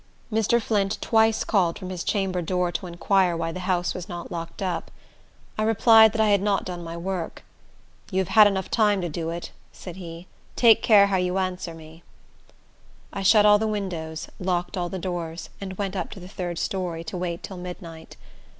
Mr. Flint twice called from his chamber door to inquire why the house was not locked up. I replied that I had not done my work. "You have had time enough to do it," said he. "Take care how you answer me!" I shut all the windows, locked all the doors, and went up to the third story, to wait till midnight.